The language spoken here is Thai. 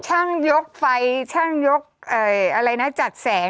ยกไฟช่างยกอะไรนะจัดแสง